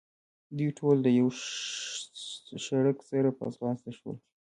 دوی ټول د یوه شړک سره په ځغاسته شول.